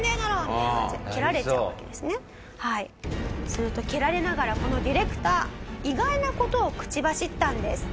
すると蹴られながらこのディレクター意外な事を口走ったんです。